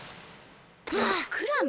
クラム？